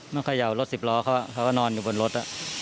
มันเขย่ารถสิบล้อเขาก็นอนอยู่บนรถ